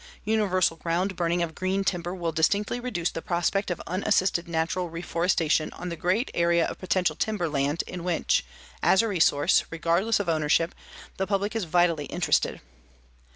Universal ground burning of green timber will distinctly reduce the prospect of unassisted natural reforestation on the great area of potential timber land in which, as a resource, regardless of ownership, the public is vitally interested.